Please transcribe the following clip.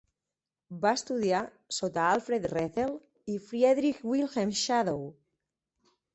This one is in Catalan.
Va estudiar sota Alfred Rethel i Friedrich Wilhelm Schadow.